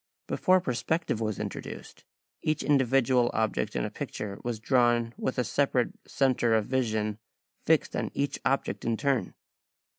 Before perspective was introduced, each individual object in a picture was drawn with a separate centre of vision fixed on each object in turn.